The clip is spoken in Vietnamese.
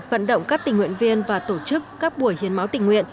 vận động các tỉnh nguyện viên và tổ chức các buổi hiến máu tỉnh nguyện